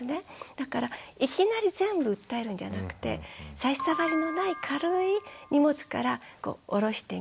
だからいきなり全部訴えるんじゃなくて差し障りのない軽い荷物から下ろしてみる。